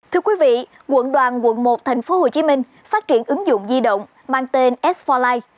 thưa quý vị quận đoàn quận một tp hcm phát triển ứng dụng di động mang tên s bốn life